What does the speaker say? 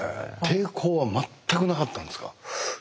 抵抗は全くなかったんですか？